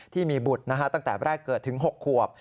ที่มีบุตรตั้งแต่แรกเกิดถึง๖ขวบ